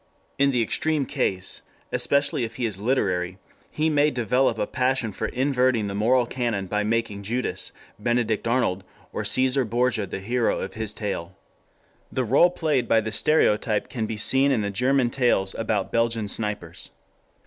In the extreme case, especially if he is literary, he may develop a passion for inverting the moral canon by making Judas, Benedict Arnold, or Caesar Borgia the hero of his tale. 3 The role played by the stereotype can be seen in the German tales about Belgian snipers.